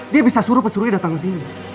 dia bisa suruh pesuruhnya datang kesini